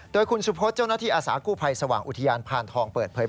โดยคุณสุพศเจ้าหน้าที่อาสากู้ภัยสว่างอุทยานพานทองเปิดเผย